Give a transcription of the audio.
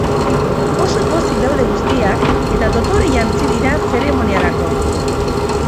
Oso pozik daude guztiak eta dotore jantzi dira zeremoniarako.